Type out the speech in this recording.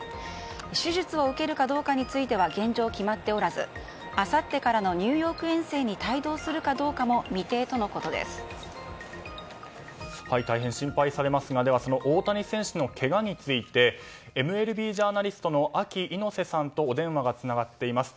手術を受けるかどうかについては現状決まっておらずあさってからのニューヨーク遠征に帯同するかどうかも大変心配されますがその大谷選手のけがについてＭＬＢジャーナリストのＡＫＩ猪瀬さんとお電話がつながっています。